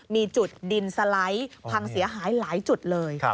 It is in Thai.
มีจุดดินสไลด์พังเสียหายหลายจุดเลย